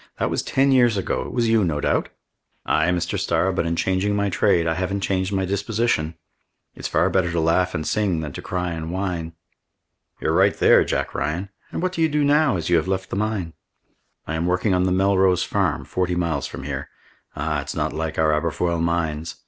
That was ten years ago. It was you, no doubt?" "Ay, Mr. Starr, but in changing my trade, I haven't changed my disposition. It's far better to laugh and sing than to cry and whine!" "You're right there, Jack Ryan. And what do you do now, as you have left the mine?" "I am working on the Melrose farm, forty miles from here. Ah, it's not like our Aberfoyle mines!